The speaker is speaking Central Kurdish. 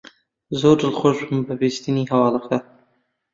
زۆر دڵخۆش بووم بە بیستنی هەواڵەکە.